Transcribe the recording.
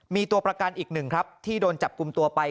มีตัวประกันอีกหนึ่งครับที่โดนจับกลุ่มตัวไป